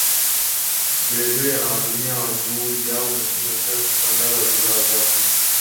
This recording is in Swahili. Vile vile anawatumia wachuuzi au machinga katika kutangaza bidhaa zake